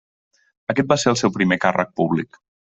Aquest va ser el seu primer càrrec públic.